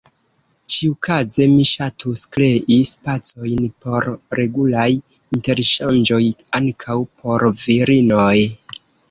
Ĉiukaze mi ŝatus krei spacojn por regulaj interŝanĝoj ankaŭ por virinoj.